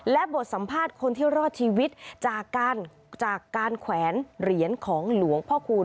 และบทสัมภาษณ์คนที่รอดชีวิตจากการจากการแขวนเหรียญของหลวงพ่อคูณ